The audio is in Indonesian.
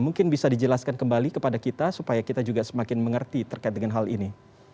mungkin bisa dijelaskan kembali kepada kita supaya kita juga semakin mengerti terkait dengan hal ini